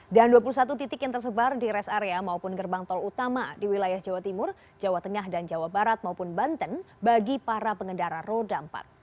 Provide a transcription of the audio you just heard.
dan dua puluh satu titik yang tersebar di rest area maupun gerbang tol utama di wilayah jawa timur jawa tengah dan jawa barat maupun banten bagi para pengendara roda empat